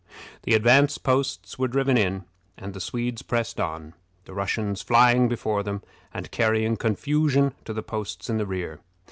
The advanced posts were driven in, and the Swedes pressed on, the Russians flying before them, and carrying confusion to the posts in the rear.